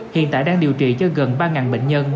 hiện tại đang điều trị cho gần ba bệnh nhân